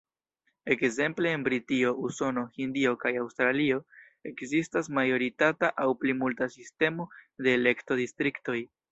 Ekzemple en Britio, Usono, Hindio kaj Aŭstralio ekzistas majoritata aŭ plimulta sistemo de elekto-distriktoj.